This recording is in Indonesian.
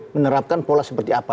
menerapkan pola seperti apa